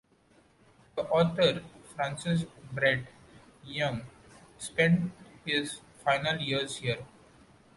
The author Francis Brett Young spent his final years here.